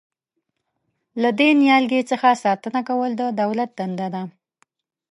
له دې نیالګي څخه ساتنه کول د دولت دنده ده.